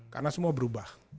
karena semua berubah